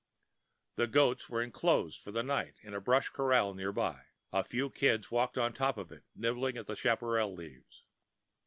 The goats were enclosed for the night in a brush corral near by. A few kids walked the top of it, nibbling the chaparral leaves.